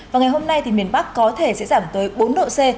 và ngày hôm nay thì miền bắc có thể sẽ giảm tới bốn độ c